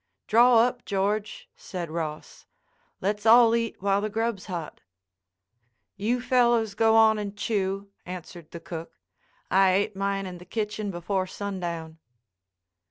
"Draw up, George," said Ross. "Let's all eat while the grub's hot." "You fellows go on and chew," answered the cook. "I ate mine in the kitchen before sun down."